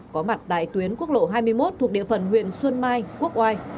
có mặt tại tuyến quốc lộ hai mươi một thuộc địa phận huyện xuân mai quốc oai